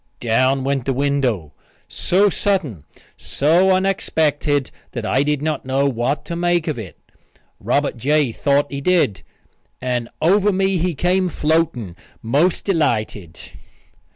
Down went the window so sudden, so unexpected that I did not know what to make of it. Robert J. thought he did, and over me he came floating, most delighted.